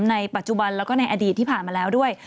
ในปัจจุบันแล้วก็ในอดีตที่ผ่านมาแล้วด้วย